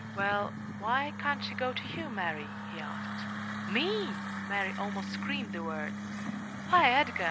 "Well, why can't she go to you, Mary?" he asked. "Me!" Mary almost screamed the word. "Why, Edgar!